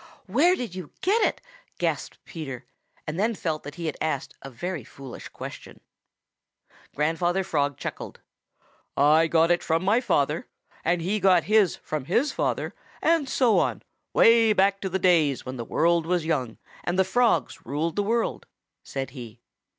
"Where did you get it?" gasped Peter, and then felt that he had asked a very foolish question. Grandfather Frog chuckled. "I got it from my father, and he got his from his father, and so on, way back to the days when the world was young and the Frogs ruled the world," said he.